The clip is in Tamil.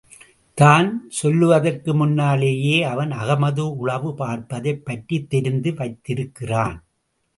தான் சொல்லுவதற்கு முன்னாலேயே, அவன் அகமது உளவு பார்ப்பதைப் பற்றித் தெரிந்து வைத்திருக்கிறான்.